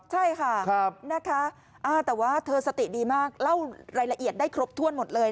ใช่ค่ะนะคะแต่ว่าเธอสติดีมากเล่ารายละเอียดได้ครบถ้วนหมดเลย